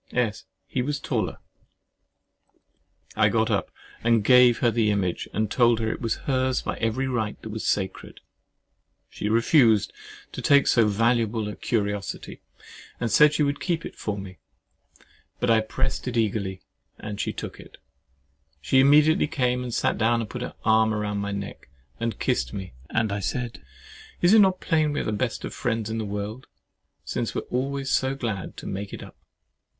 S. He was taller! [I got up and gave her the image, and told her it was hers by every right that was sacred. She refused at first to take so valuable a curiosity, and said she would keep it for me. But I pressed it eagerly, and she look it. She immediately came and sat down, and put her arm round my neck, and kissed me, and I said, "Is it not plain we are the best friends in the world, since we are always so glad to make it up?"